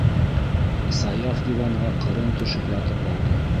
- Саяф диванға ҡырын төшөп ятып алды.